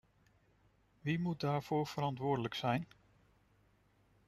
Wie moet daarvoor verantwoordelijk zijn?